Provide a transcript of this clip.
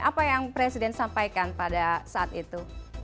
apa yang presiden sampaikan pada saat itu